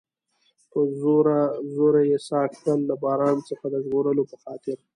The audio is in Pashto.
په زوره زوره یې ساه کښل، له باران څخه د ژغورلو په خاطر.